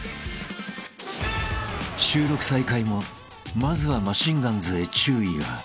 ［収録再開もまずはマシンガンズへ注意が］